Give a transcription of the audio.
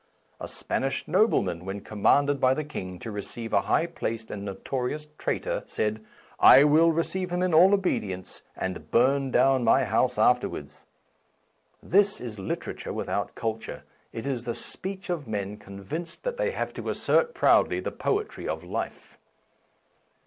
A Spanish nobleman, when commanded by the King to receive a high placed and no torious traitor, said :" I will receive him in all obedience, and burn down my house afterwards." This is literature without [S8] A Defence of Slang culture ; it is the speech of men convinced ^that they have to assert proudly the poetry of life.